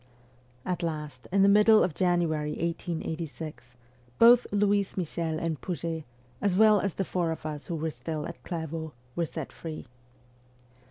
At last, in the middle of January 1886, both Louise Michel and Pouget, as well as the four of us who were still at Clairvaux, were set free.